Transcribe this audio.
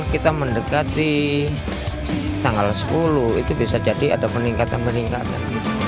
kita mendekati tanggal sepuluh itu bisa jadi ada peningkatan peningkatan